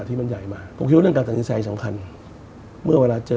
ผมเองกับคุณอุ้งอิ๊งเองเราก็รักกันเหมือนน้อง